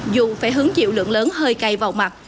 dù phải hứng chịu lượng lớn hơi cay vào mặt